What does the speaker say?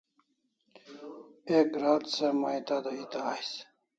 Ek rat se mai tada eta ais